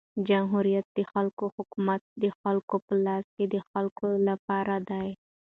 جمهوریت د خلکو حکومت د خلکو په لاس د خلکو له پاره دئ.